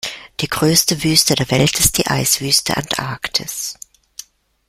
Die größte Wüste der Welt ist die Eiswüste Antarktis.